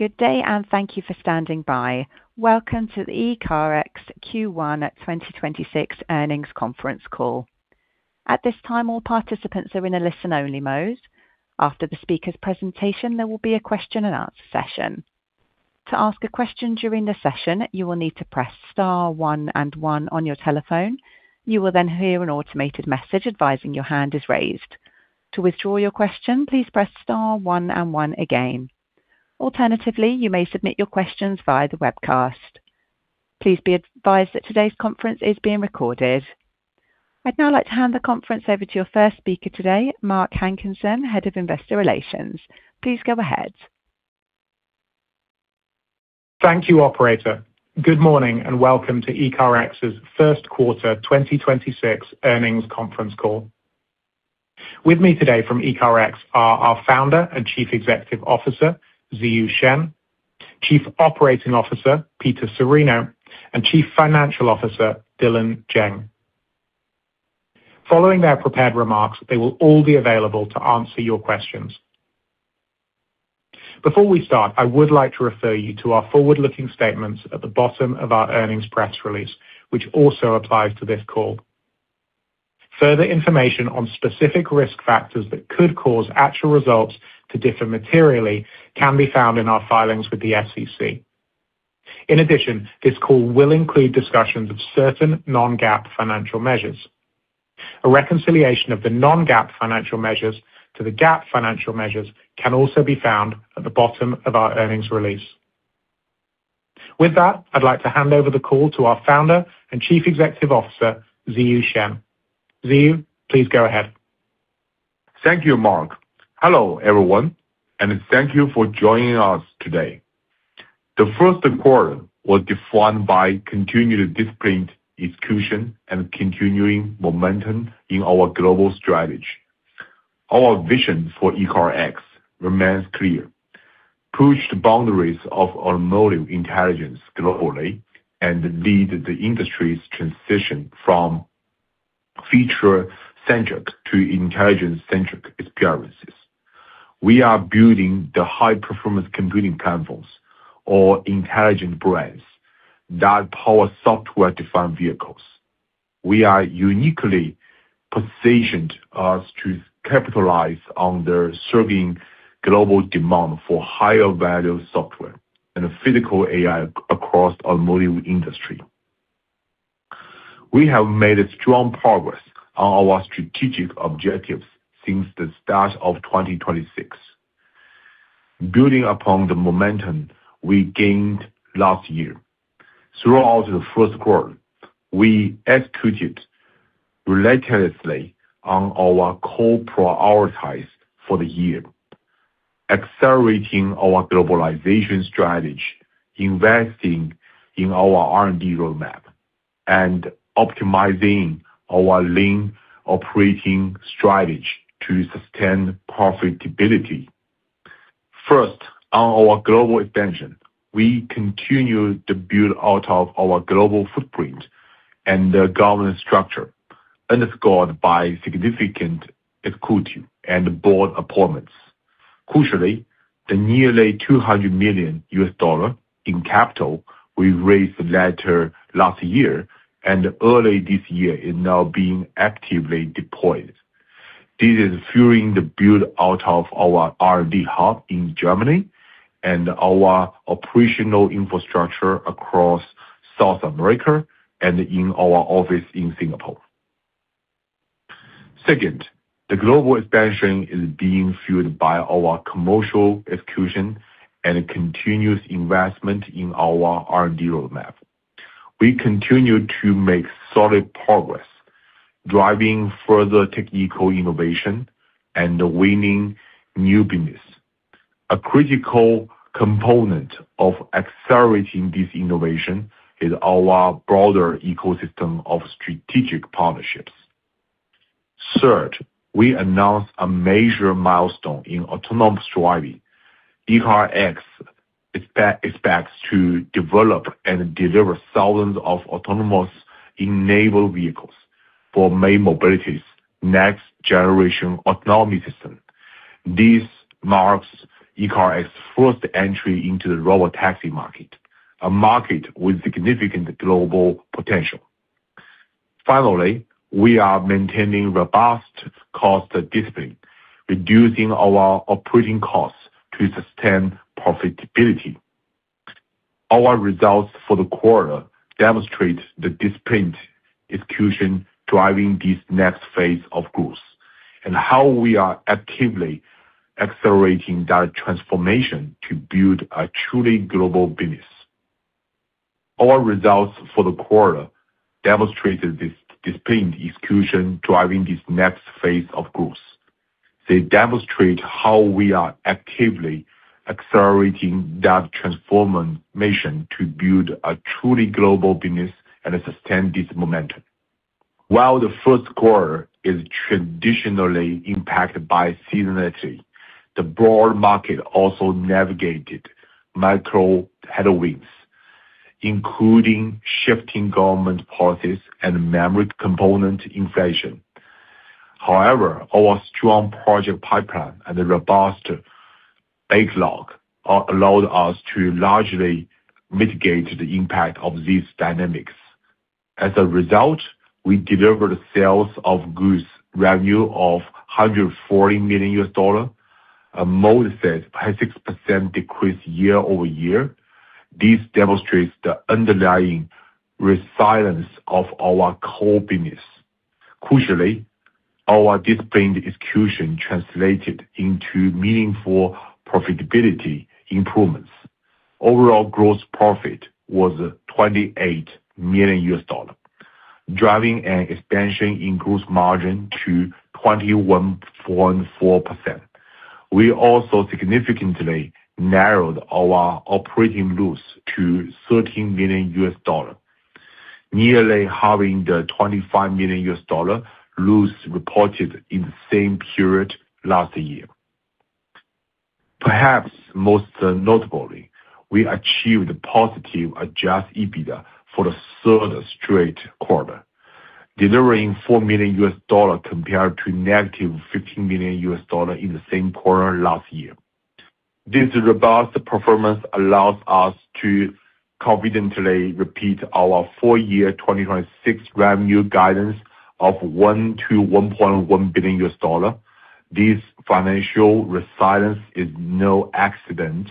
Good day and thank you for standing by. Welcome to the ECARX Q1 2026 earnings conference call. At this time all participants are in a listen only mode. After the speakers presentation there will be a question-and-answer session. To ask a question during the session you will need to press star one and one on your telephone. You will then hear an automated message advising your hand is raised. To withdraw your question please press star one and one again. Alternatively you may submit your question via the webcast. Please be advised that today's conference is being recorded. I'd now like to hand the conference over to your first speaker today, Mark Hankinson, Head of Investor Relations. Please go ahead. Thank you, operator. Good morning and welcome to ECARX's first quarter 2026 earnings conference call. With me today from ECARX are our Founder and Chief Executive Officer, Ziyu Shen, Chief Operating Officer, Peter Cirino, and Chief Financial Officer, Dylan Jeng. Following their prepared remarks, they will all be available to answer your questions. Before we start, I would like to refer you to our forward-looking statements at the bottom of our earnings press release, which also applies to this call. Further information on specific risk factors that could cause actual results to differ materially can be found in our filings with the SEC. In addition, this call will include discussions of certain non-GAAP financial measures. A reconciliation of the non-GAAP financial measures to the GAAP financial measures can also be found at the bottom of our earnings release. With that, I’d like to hand over the call to our Founder and Chief Executive Officer, Ziyu Shen. Ziyu, please go ahead. Thank you, Mark. Hello, everyone, thank you for joining us today. The first quarter was defined by continued disciplined execution and continuing momentum in our global strategy. Our vision for ECARX remains clear, push the boundaries of automotive intelligence globally and lead the industry's transition from feature-centric to intelligence-centric experiences. We are building the high-performance computing platforms or intelligent brains that power software-defined vehicles. We are uniquely positioned to capitalize on the surging global demand for higher value software and physical AI across automotive industry. We have made a strong progress on our strategic objectives since the start of 2026. Building upon the momentum we gained last year. Throughout the first quarter, we executed relentlessly on our core priorities for the year, accelerating our globalization strategy, investing in our R&D roadmap, and optimizing our lean operating strategy to sustain profitability. First, on our global expansion, we continue to build out of our global footprint and the governance structure, underscored by significant equity and board appointments. Crucially, the nearly $200 million in capital we raised later last year and early this year is now being actively deployed. This is fueling the build-out of our R&D hub in Germany and our operational infrastructure across South America and in our office in Singapore. Second, the global expansion is being fueled by our commercial execution and continuous investment in our R&D roadmap. We continue to make solid progress, driving further technical innovation and winning new business. A critical component of accelerating this innovation is our broader ecosystem of strategic partnerships. Third, we announced a major milestone in autonomous driving. ECARX expects to develop and deliver thousands of autonomous enabled vehicles for May Mobility's next-generation autonomy system. This marks ECARX first entry into the robot taxi market, a market with significant global potential. Finally, we are maintaining robust cost discipline, reducing our operating costs to sustain profitability. Our results for the quarter demonstrate the disciplined execution driving this next phase of growth and how we are actively accelerating that transformation to build a truly global business. Our results for the quarter demonstrated this disciplined execution driving this next phase of growth. They demonstrate how we are actively accelerating that transformation to build a truly global business and sustain this momentum. While the first quarter is traditionally impacted by seasonality, the broad market also navigated macro headwinds, including shifting government policies and memory component inflation. However, our strong project pipeline and the robust backlog allowed us to largely mitigate the impact of these dynamics. As a result, we delivered sales of goods revenue of $140 million. A modest 6% decrease year-over-year. This demonstrates the underlying resilience of our core business. Crucially, our disciplined execution translated into meaningful profitability improvements. Overall gross profit was $28 million, driving an expansion in gross margin to 21.4%. We also significantly narrowed our operating loss to $13 million, nearly halving the $25 million loss reported in the same period last year. Perhaps most notably, we achieved positive adjusted EBITDA for the third straight quarter, delivering $4 million compared to negative $15 million in the same quarter last year. This robust performance allows us to confidently repeat our full year 2026 revenue guidance of $1 billion-$1.1 billion. This financial resilience is no accident.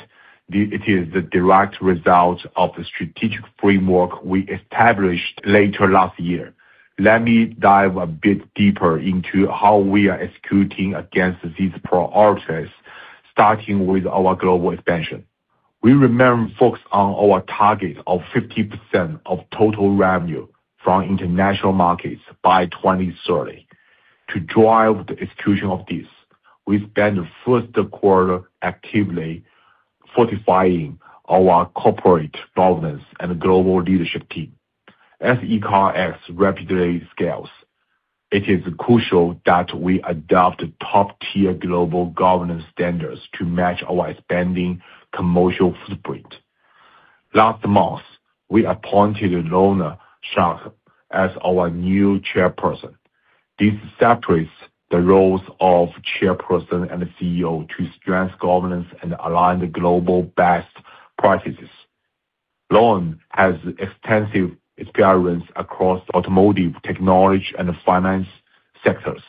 It is the direct result of the strategic framework we established later last year. Let me dive a bit deeper into how we are executing against these priorities, starting with our global expansion. We remain focused on our target of 50% of total revenue from international markets by 2030. To drive the execution of this, we spent the first quarter actively fortifying our corporate governance and global leadership team. As ECARX rapidly scales, it is crucial that we adopt top-tier global governance standards to match our expanding commercial footprint. Last month, we appointed Lone Fønss Schrøder as our new chairperson. This separates the roles of chairperson and CEO to strengthen governance and align the global best practices. Lone has extensive experience across automotive, technology, and finance sectors.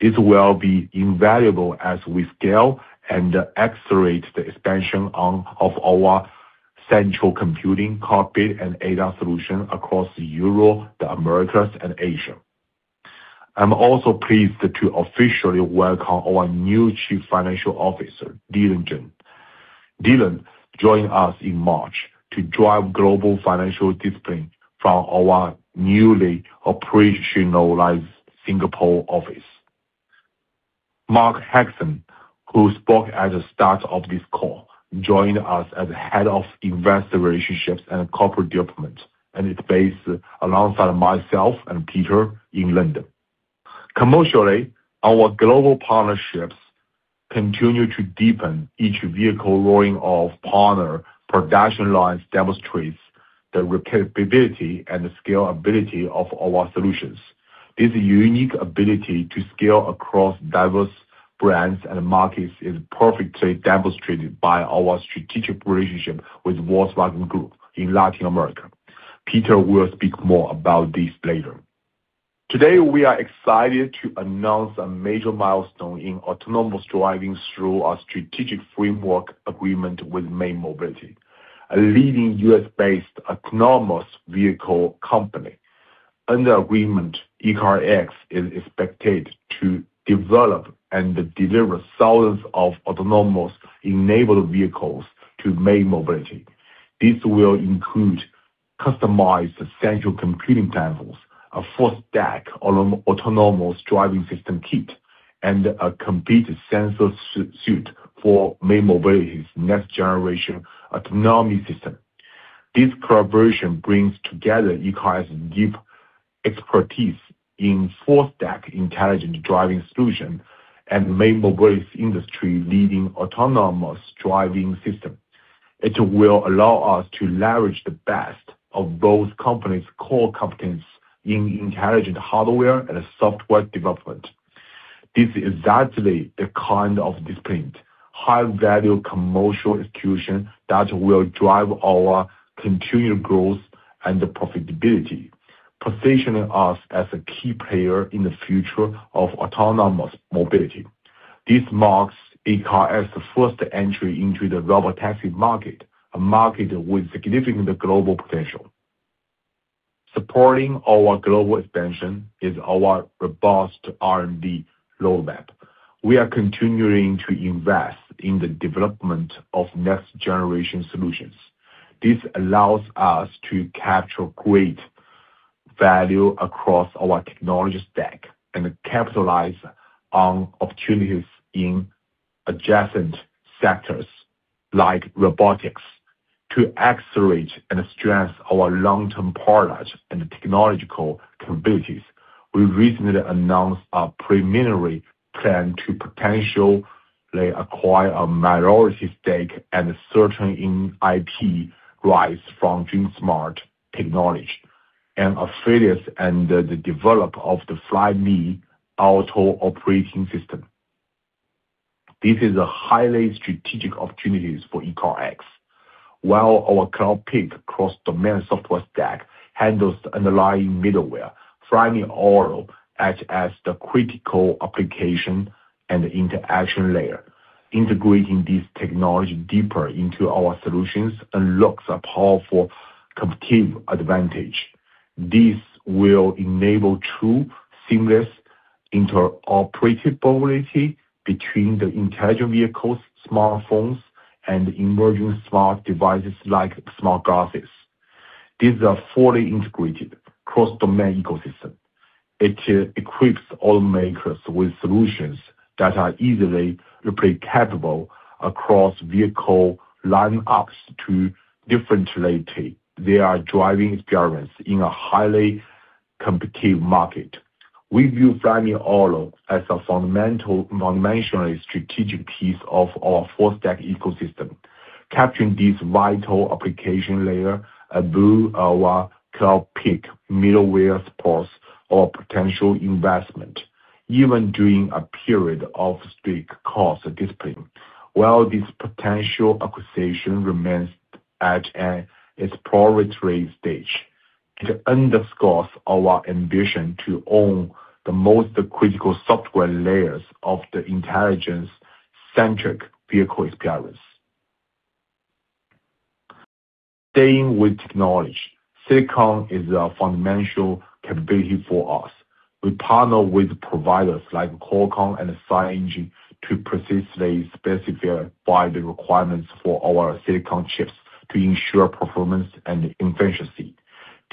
This will be invaluable as we scale and accelerate the expansion of our central computing cockpit and ADAS solution across Europe, the Americas, and Asia. I'm also pleased to officially welcome our new Chief Financial Officer, Dylan Jeng. Dylan joined us in March to drive global financial discipline from our newly operationalized Singapore office. Mark Hankinson, who spoke at the start of this call, joined us as Head of Investor Relations and corporate development, and is based alongside myself and Peter in London. Commercially, our global partnerships continue to deepen. Each vehicle rolling off partner production lines demonstrates the repeatability and scalability of our solutions. This unique ability to scale across diverse brands and markets is perfectly demonstrated by our strategic relationship with Volkswagen Group in Latin America. Peter will speak more about this later. Today, we are excited to announce a major milestone in autonomous driving through our strategic framework agreement with May Mobility, a leading U.S.-based autonomous vehicle company. Under agreement, ECARX is expected to develop and deliver thousands of autonomous enabled vehicles to May Mobility. This will include customized essential computing platforms, a full stack autonomous driving system kit, and a complete sensor suite for May Mobility's next generation autonomy system. This collaboration brings together ECARX's deep expertise in full stack intelligent driving solution and May Mobility's industry-leading autonomous driving system. It will allow us to leverage the best of both companies' core competence in intelligent hardware and software development. This is exactly the kind of disciplined, high-value commercial execution that will drive our continued growth and profitability, positioning us as a key player in the future of autonomous mobility. This marks ECARX as the first entry into the robotaxi market, a market with significant global potential. Supporting our global expansion is our robust R&D roadmap. We are continuing to invest in the development of next-generation solutions. This allows us to capture great value across our technology stack and capitalize on opportunities in adjacent sectors like robotics. To accelerate and strengthen our long-term product and technological capabilities, we recently announced our preliminary plan to acquire a minority stake and certain IP rights from DreamSmart Technology, an affiliate and the developer of the Flyme Auto operating system. This is a highly strategic opportunity for ECARX. While our Cloudpeak cross-domain software stack handles the underlying middleware, Flyme Auto acts as the critical application and interaction layer, integrating this technology deeper into our solutions unlocks a powerful competitive advantage. This will enable true seamless interoperability between the intelligent vehicles, smartphones, and emerging smart devices like smart glasses. These are fully integrated cross-domain ecosystem. It equips automakers with solutions that are easily replicable across vehicle lineups to differentiate their driving experience in a highly competitive market. We view Flyme Auto as a fundamentally strategic piece of our full-stack ecosystem, capturing this vital application layer above our Cloudpeak middleware supports our potential investment, even during a period of strict cost discipline. While this potential acquisition remains at an exploratory stage, it underscores our ambition to own the most critical software layers of the intelligence-centric vehicle experience. Staying with technology, silicon is a fundamental capability for us. We partner with providers like Qualcomm and SiEngine to precisely specify the requirements for our silicon chips to ensure performance and efficiency.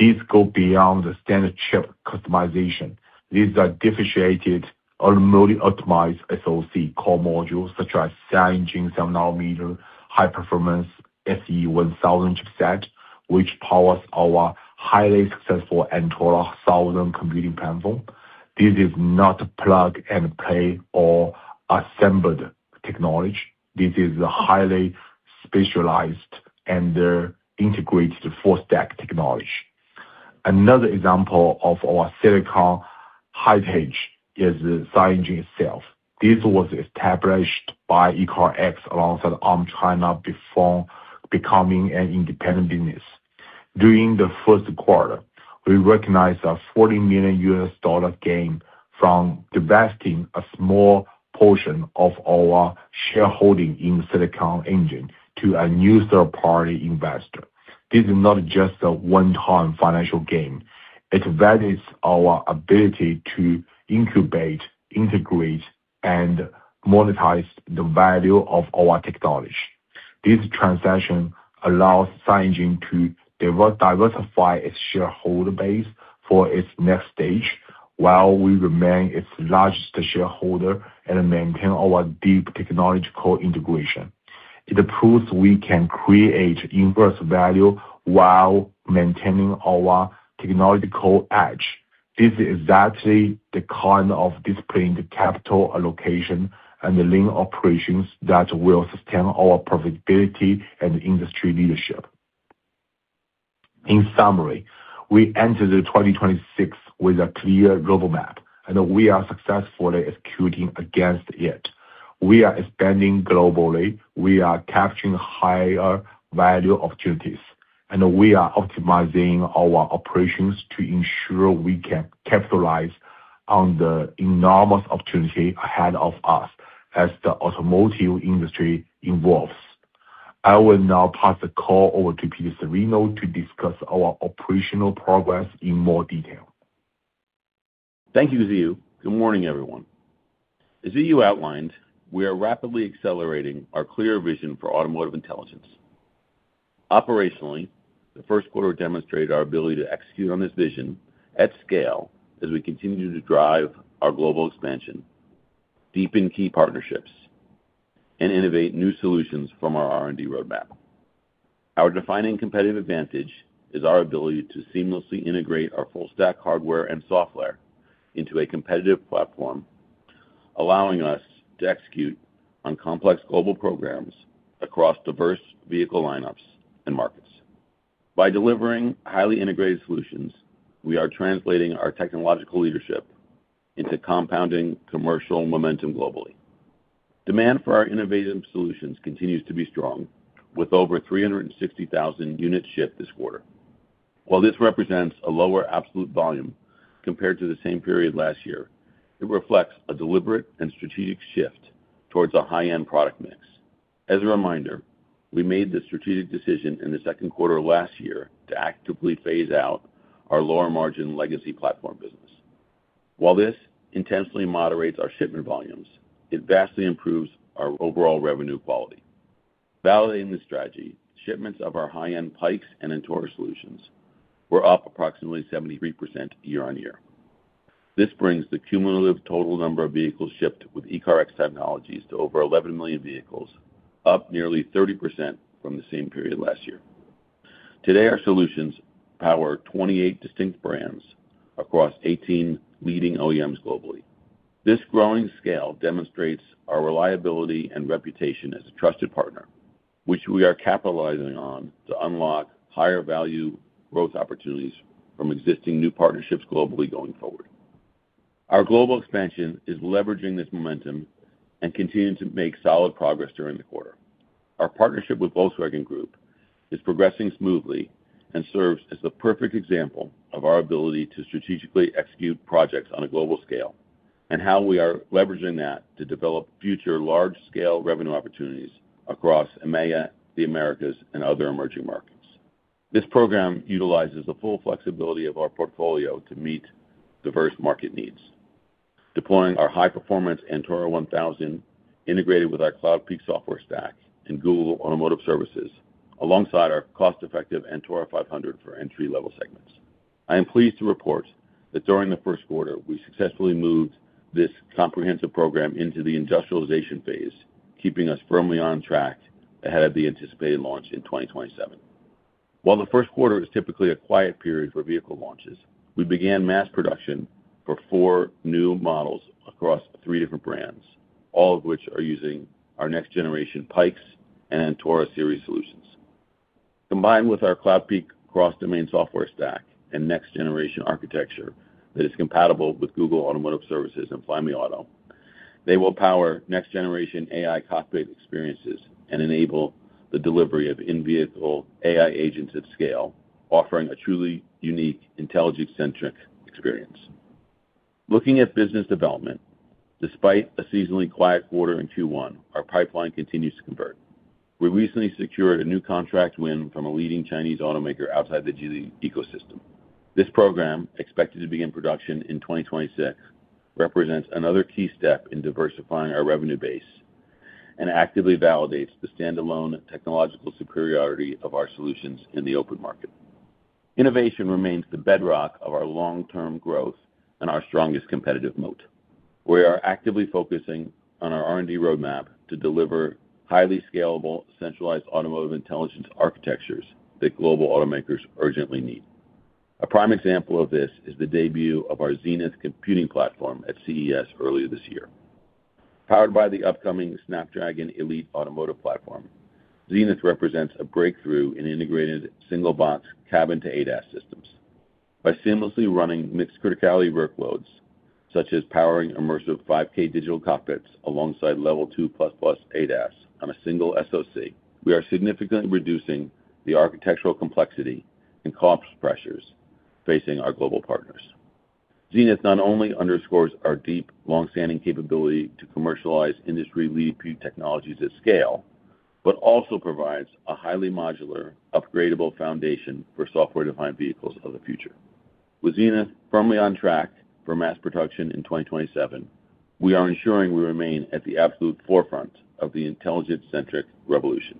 These go beyond the standard chip customization. These are differentiated or remotely optimized SoC core modules, such as SiEngine 7 nm high-performance SE1000 chipset, which powers our highly successful Antora 1000 computing platform. This is not plug-and-play or assembled technology. This is highly specialized and integrated full-stack technology. Another example of our silicon heritage is SiEngine itself. This was established by ECARX alongside Arm China before becoming an independent business. During the first quarter, we recognized a $40 million gain from divesting a small portion of our shareholding in SiEngine to a new third-party investor. This is not just a one-time financial gain. It validates our ability to incubate, integrate, and monetize the value of our technology. This transaction allows SiEngine to diversify its shareholder base for its next stage while we remain its largest shareholder and maintain our deep technological integration. It proves we can create immense value while maintaining our technological edge. This is exactly the kind of disciplined capital allocation and lean operations that will sustain our profitability and industry leadership. In summary, we enter the 2026 with a clear roadmap, and we are successfully executing against it. We are expanding globally. We are capturing higher value opportunities, and we are optimizing our operations to ensure we can capitalize on the enormous opportunity ahead of us as the automotive industry evolves. I will now pass the call over to Peter Cirino to discuss our operational progress in more detail. Thank you, Ziyu. Good morning, everyone. As Ziyu outlined, we are rapidly accelerating our clear vision for automotive intelligence. Operationally, the first quarter demonstrated our ability to execute on this vision at scale as we continue to drive our global expansion, deepen key partnerships, and innovate new solutions from our R&D roadmap. Our defining competitive advantage is our ability to seamlessly integrate our full-stack hardware and software into a competitive platform, allowing us to execute on complex global programs across diverse vehicle lineups and markets. By delivering highly integrated solutions, we are translating our technological leadership into compounding commercial momentum globally. Demand for our innovative solutions continues to be strong, with over 360,000 units shipped this quarter. While this represents a lower absolute volume compared to the same period last year, it reflects a deliberate and strategic shift towards a high-end product mix. As a reminder, we made the strategic decision in the second quarter of last year to actively phase out our lower-margin legacy platform business. While this intentionally moderates our shipment volumes, it vastly improves our overall revenue quality. Validating the strategy, shipments of our high-end Pikes and Antora solutions were up approximately 73% year-on-year. This brings the cumulative total number of vehicles shipped with ECARX technologies to over 11 million vehicles, up nearly 30% from the same period last year. Today, our solutions power 28 distinct brands across 18 leading OEMs globally. This growing scale demonstrates our reliability and reputation as a trusted partner, which we are capitalizing on to unlock higher value growth opportunities from existing new partnerships globally going forward. Our global expansion is leveraging this momentum and continuing to make solid progress during the quarter. Our partnership with Volkswagen Group is progressing smoothly and serves as the perfect example of our ability to strategically execute projects on a global scale, and how we are leveraging that to develop future large-scale revenue opportunities across EMEA, the Americas, and other emerging markets. This program utilizes the full flexibility of our portfolio to meet diverse market needs. Deploying our high-performance Antora 1000 integrated with our Cloudpeak software stack in Google Automotive Services, alongside our cost-effective Antora 500 for entry-level segments. I am pleased to report that during the first quarter, we successfully moved this comprehensive program into the industrialization phase, keeping us firmly on track ahead of the anticipated launch in 2027. While the first quarter is typically a quiet period for vehicle launches, we began mass production for four new models across three different brands, all of which are using our next-generation Pikes and Antora Series solutions. Combined with our Cloudpeak cross-domain software stack and next-generation architecture that is compatible with Google Automotive Services and Flyme Auto, they will power next-generation AI cockpit experiences and enable the delivery of in-vehicle AI agents at scale, offering a truly unique intelligence-centric experience. Looking at business development, despite a seasonally quiet quarter in Q1, our pipeline continues to convert. We recently secured a new contract win from a leading Chinese automaker outside the Geely ecosystem. This program, expected to begin production in 2026, represents another key step in diversifying our revenue base and actively validates the standalone technological superiority of our solutions in the open market. Innovation remains the bedrock of our long-term growth and our strongest competitive moat. We are actively focusing on our R&D roadmap to deliver highly scalable, centralized automotive intelligence architectures that global automakers urgently need. A prime example of this is the debut of our Zenith computing platform at CES earlier this year. Powered by the upcoming Snapdragon Elite Automotive Platform, Zenith represents a breakthrough in integrated single box cabin to ADAS systems. By seamlessly running mixed criticality workloads, such as powering immersive 5K digital cockpits alongside level 2++ ADAS on a single SoC, we are significantly reducing the architectural complexity and cost pressures facing our global partners. Zenith not only underscores our deep, long-standing capability to commercialize industry-leading technologies at scale, but also provides a highly modular, upgradable foundation for software-defined vehicles of the future. With Zenith firmly on track for mass production in 2027, we are ensuring we remain at the absolute forefront of the intelligence-centric revolution.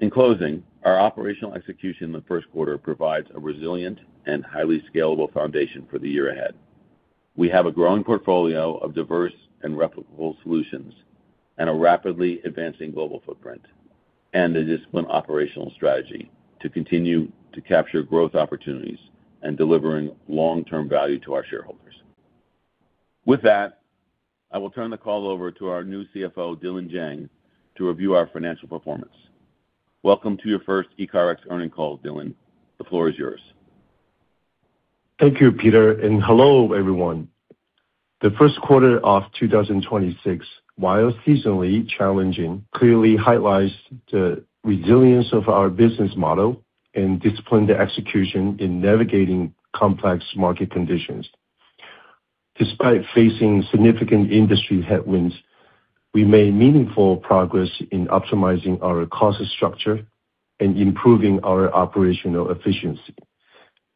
In closing, our operational execution in the first quarter provides a resilient and highly scalable foundation for the year ahead. We have a growing portfolio of diverse and replicable solutions and a rapidly advancing global footprint, and a disciplined operational strategy to continue to capture growth opportunities and delivering long-term value to our shareholders. With that, I will turn the call over to our new CFO, Dylan Jeng, to review our financial performance. Welcome to your first ECARX earning call, Dylan. The floor is yours. Thank you, Peter, and hello, everyone. The first quarter of 2026, while seasonally challenging, clearly highlights the resilience of our business model and disciplined execution in navigating complex market conditions. Despite facing significant industry headwinds, we made meaningful progress in optimizing our cost structure and improving our operational efficiency,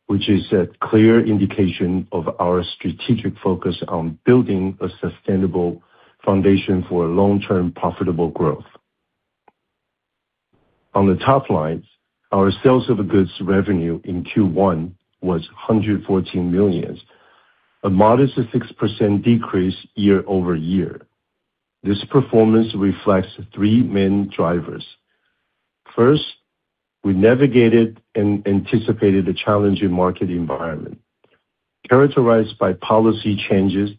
which is a clear indication of our strategic focus on building a sustainable foundation for long-term profitable growth. On the top lines, our sales of goods revenue in Q1 was $114 million, a modest 6% decrease year-over-year. This performance reflects three main drivers. First, we navigated and anticipated a challenging market environment characterized by policy changes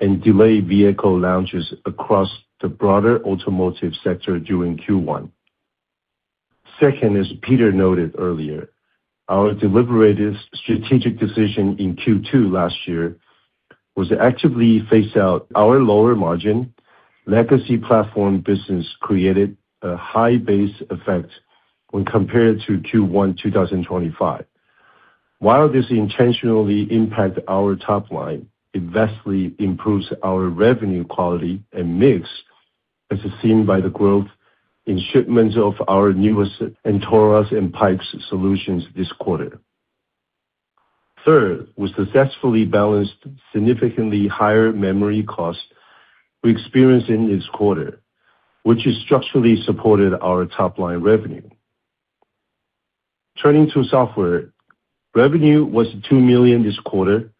and delayed vehicle launches across the broader automotive sector during Q1. Second, as Peter noted earlier, our deliberative strategic decision in Q2 last year was to actively phase out our lower margin legacy platform business created a high base effect when compared to Q1 2025. While this intentionally impact our top line, it vastly improves our revenue quality and mix, as is seen by the growth in shipments of our newest Antoras and Pikes solutions this quarter. Third, we successfully balanced significantly higher memory costs we experienced in this quarter, which has structurally supported our top-line revenue. Turning to software, revenue was $2 million this quarter.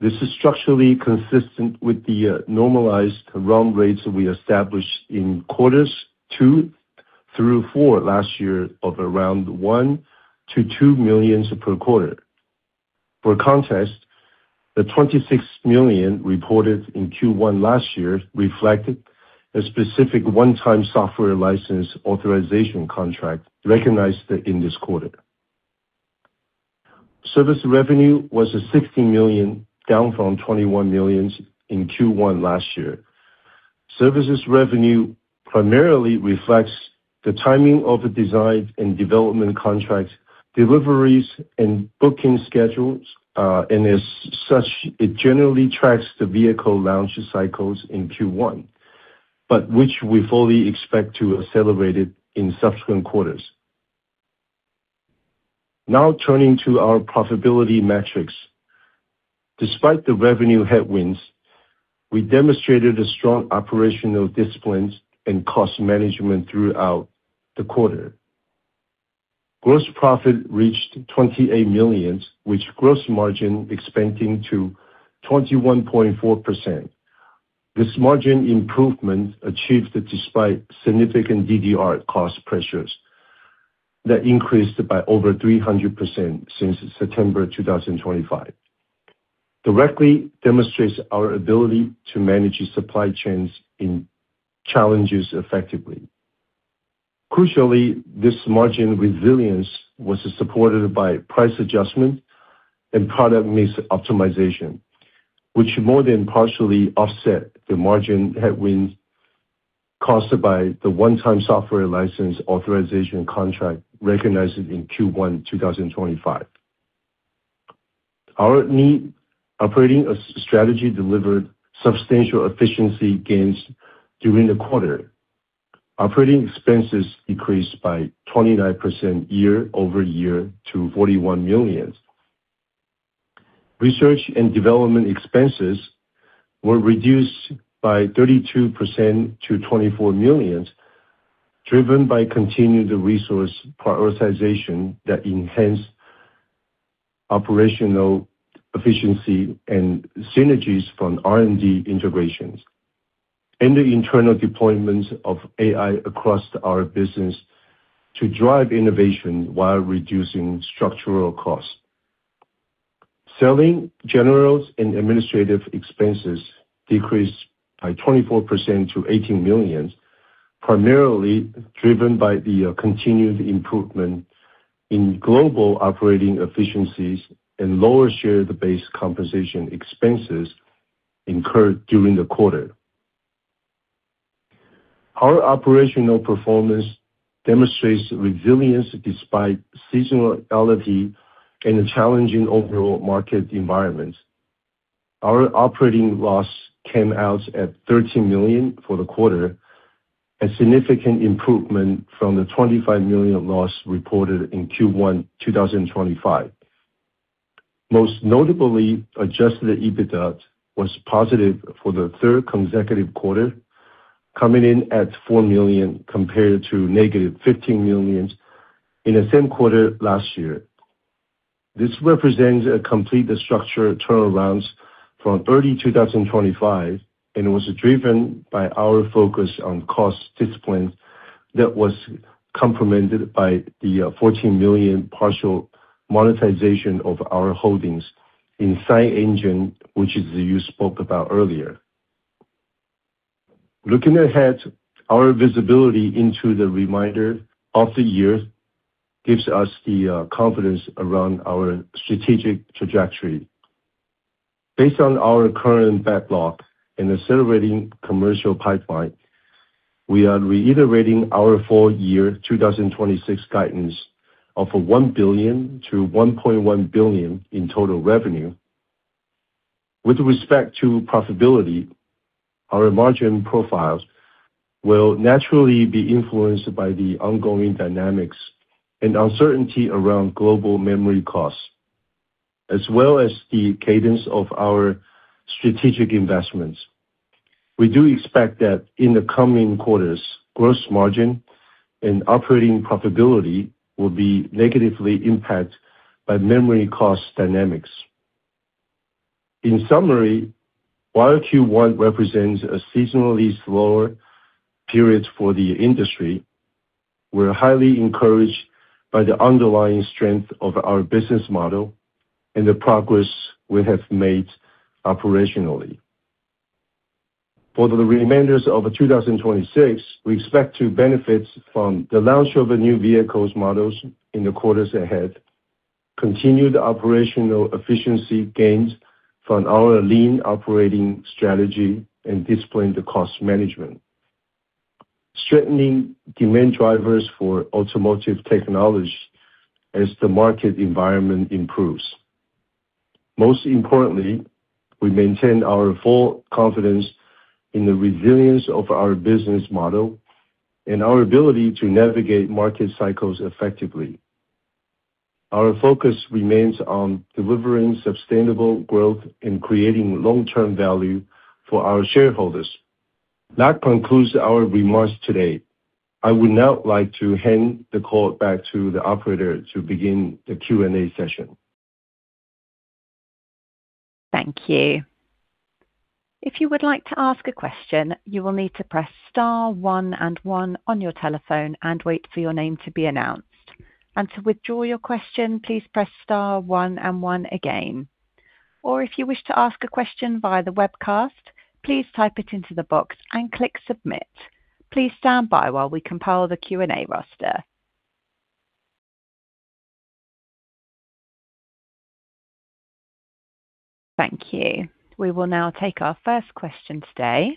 This is structurally consistent with the normalized run rates we established in quarters two through four last year of around $1 million-$2 million per quarter. For context, the $26 million reported in Q1 last year reflected a specific one-time software license authorization contract recognized in this quarter. Service revenue was at $60 million, down from $21 million in Q1 last year. Services revenue primarily reflects the timing of the design and development contracts, deliveries and booking schedules. As such, it generally tracks the vehicle launch cycles in Q1, which we fully expect to accelerate it in subsequent quarters. Now turning to our profitability metrics. Despite the revenue headwinds, we demonstrated strong operational disciplines and cost management throughout the quarter. Gross profit reached $28 million, with gross margin expanding to 21.4%. This margin improvement achieved despite significant DDR cost pressures that increased by over 300% since September 2025. Directly demonstrates our ability to manage supply chains in challenges effectively. Crucially, this margin resilience was supported by price adjustment and product mix optimization, which more than partially offset the margin headwinds caused by the one-time software license authorization contract recognized in Q1 2025. Our lean operating strategy delivered substantial efficiency gains during the quarter. Operating expenses increased by 29% year-over-year to $41 million. Research and development expenses were reduced by 32% to $24 million, driven by continued resource prioritization that enhanced operational efficiency and synergies from R&D integrations, and the internal deployment of AI across our business to drive innovation while reducing structural costs. Selling, general and administrative expenses decreased by 24% to $18 million, primarily driven by the continued improvement in global operating efficiencies and lower share-based compensation expenses incurred during the quarter. Our operational performance demonstrates resilience despite seasonality and a challenging overall market environment. Our operating loss came out at $13 million for the quarter, a significant improvement from the $25 million loss reported in Q1 2025. Most notably, adjusted EBITDA was positive for the third consecutive quarter, coming in at $4 million compared to negative $15 million in the same quarter last year. This represents a complete structural turnarounds from early 2025, and was driven by our focus on cost discipline that was complemented by the $14 million partial monetization of our holdings in SiEngine, which is as you spoke about earlier. Looking ahead, our visibility into the remainder of the year gives us the confidence around our strategic trajectory. Based on our current backlog and accelerating commercial pipeline, we are reiterating our full year 2026 guidance of a $1 billion-$1.1 billion in total revenue. With respect to profitability, our margin profiles will naturally be influenced by the ongoing dynamics and uncertainty around global memory costs, as well as the cadence of our strategic investments. We do expect that in the coming quarters, gross margin and operating profitability will be negatively impact by memory cost dynamics. In summary, while Q1 represents a seasonally slower period for the industry, we're highly encouraged by the underlying strength of our business model and the progress we have made operationally. For the remainders of 2026, we expect to benefit from the launch of the new vehicles models in the quarters ahead, continued operational efficiency gains from our lean operating strategy and disciplined cost management. Strengthening demand drivers for automotive technology as the market environment improves. Most importantly, we maintain our full confidence in the resilience of our business model and our ability to navigate market cycles effectively. Our focus remains on delivering sustainable growth and creating long-term value for our shareholders. That concludes our remarks today. I would now like to hand the call back to the operator to begin the Q&A session. Thank you. If you would like to ask a question you many need to press star one and one on your telephone and wait for your name to be announced. To withdraw your question press star and one again. If you wish to ask a question via the webcast please type into the box and click submit. Please standby while we compile the Q&A roster. Thank you. We will now take our first question today.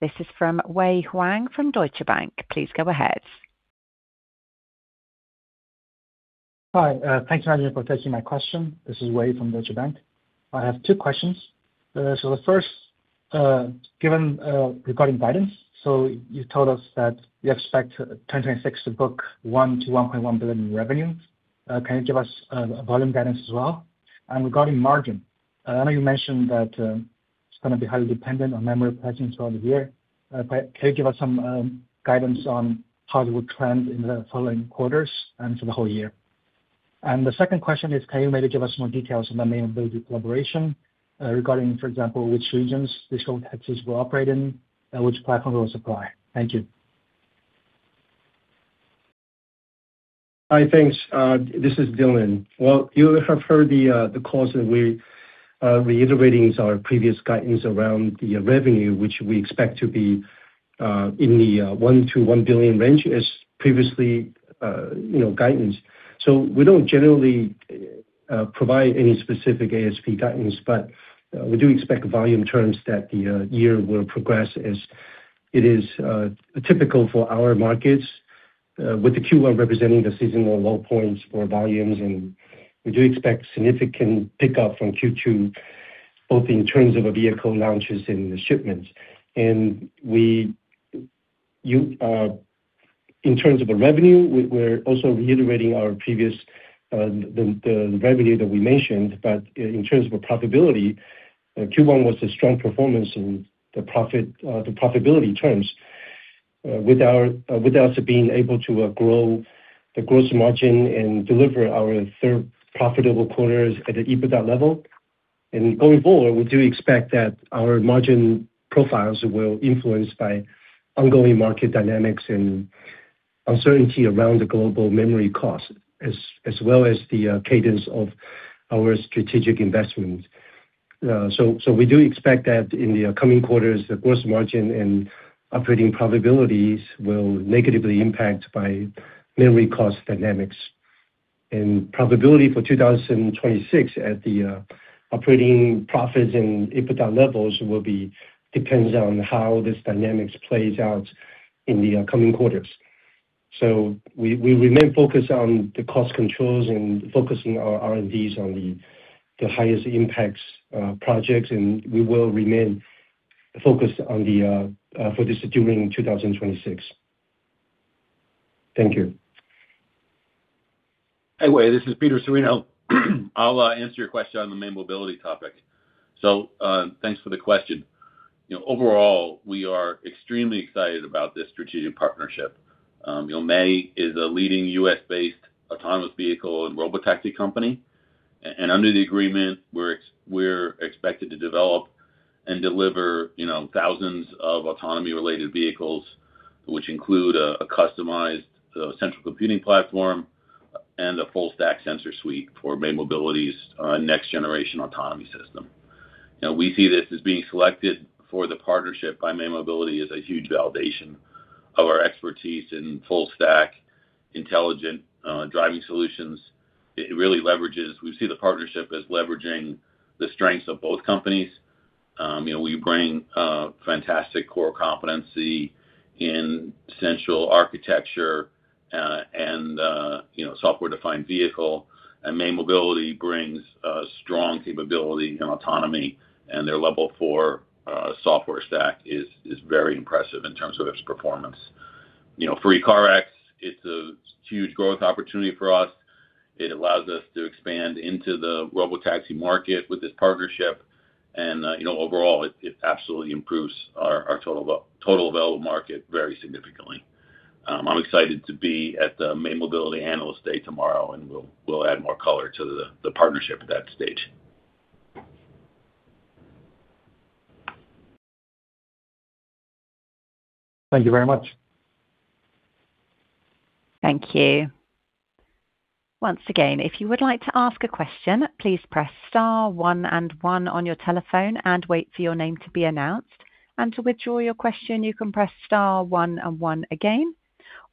This is from Wei Huang from Deutsche Bank. Please go ahead. Hi, thanks for taking my question. This is Wei from Deutsche Bank. I have two questions. The first, given regarding guidance. You told us that you expect 2026 to book $1 billion-$1.1 billion in revenue. Can you give us a volume guidance as well? Regarding margin, I know you mentioned that it's gonna be highly dependent on memory pricing throughout the year. Can you give us some guidance on how it would trend in the following quarters and for the whole year? The second question is, can you maybe give us more details on the May Mobility collaboration, regarding, for example, which regions these robotaxis will operate in and which platform will supply? Thank you. Hi. Thanks. This is Dylan. Well, you have heard the calls that we're reiterating our previous guidance around the revenue, which we expect to be in the $1 billion-$1 billion range as previously, you know, guidance. We don't generally provide any specific ASP guidance, but we do expect volume terms that the year will progress as it is typical for our markets, with the Q1 representing the seasonal low points for volumes. We do expect significant pickup from Q2, both in terms of vehicle launches and shipments. We, in terms of the revenue, we're also reiterating our previous, the revenue that we mentioned. In terms of profitability, Q1 was a strong performance in the profit, the profitability terms, with us being able to grow the gross margin and deliver our third profitable quarters at an EBITDA level. Going forward, we do expect that our margin profiles will influence by ongoing market dynamics and uncertainty around the global memory cost, as well as the cadence of our strategic investments. So we do expect that in the coming quarters, the gross margin and operating profitability will negatively impact by memory cost dynamics. Profitability for 2026 at the operating profits and EBITDA levels will depend on how this dynamics plays out in the coming quarters. We remain focused on the cost controls and focusing our R&Ds on the highest impacts projects, and we will remain focused on this during 2026. Thank you. Hey, Wei, this is Peter Cirino. I'll answer your question on the May Mobility topic. Thanks for the question. You know, overall, we are extremely excited about this strategic partnership. You know, May is a leading U.S.-based autonomous vehicle and robotaxi company. Under the agreement, we're expected to develop and deliver, you know, thousands of autonomy-related vehicles, which include a customized central computing platform and a full stack sensor suite for May Mobility's next generation autonomy system. You know, we see this as being selected for the partnership by May Mobility as a huge validation of our expertise in full stack intelligent driving solutions. We see the partnership as leveraging the strengths of both companies. You know, we bring fantastic core competency in central architecture and, you know, software-defined vehicle. May Mobility brings a strong capability in autonomy, their level four software stack is very impressive in terms of its performance. You know, for ECARX, it's a huge growth opportunity for us. It allows us to expand into the robotaxi market with this partnership. You know, overall, it absolutely improves our total available market very significantly. I'm excited to be at the May Mobility Analyst Day tomorrow, we'll add more color to the partnership at that stage. Thank you very much. Thank you. Once again, if you would like to ask a question, please press star one and one on your telephone and wait for your name to be announced. To withdraw your question, you can press star one and one again.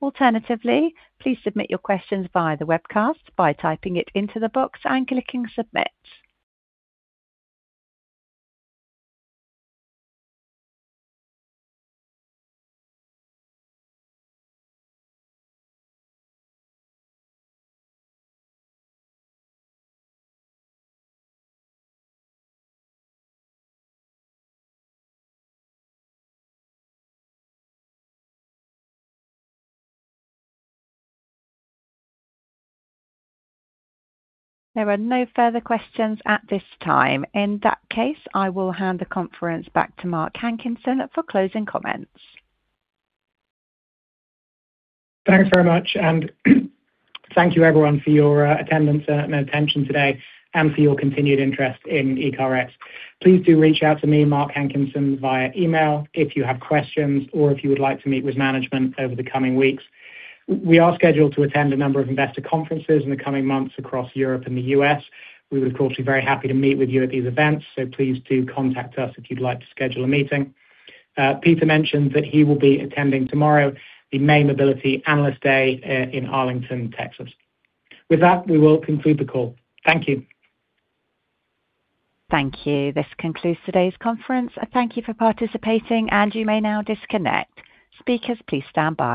Alternatively, please submit your questions via the webcast by typing it into the box and clicking submit. There are no further questions at this time. In that case, I will hand the conference back to Mark Hankinson for closing comments. Thanks very much, and thank you everyone for your attendance and attention today and for your continued interest in ECARX. Please do reach out to me, Mark Hankinson, via email if you have questions or if you would like to meet with management over the coming weeks. We are scheduled to attend a number of investor conferences in the coming months across Europe and the U.S. We would, of course, be very happy to meet with you at these events, please do contact us if you'd like to schedule a meeting. Peter mentioned that he will be attending tomorrow the May Mobility Analyst Day in Arlington, Texas. With that, we will conclude the call. Thank you. Thank you. This concludes today's conference. Thank you for participating, and you may now disconnect. Speakers, please stand by.